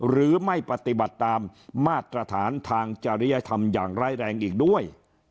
หรือไม่ปฏิบัติตามมาตรฐานทางจริยธรรมอย่างร้ายแรงอีกด้วย